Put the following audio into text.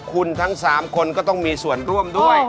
คุณทั้ง๓คนก็ต้องมีส่วนร่วมด้วย